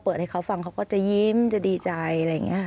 ขอมอบจากท่านรองเลยนะครับขอมอบจากท่านรองเลยนะครับขอมอบจากท่านรองเลยนะครับ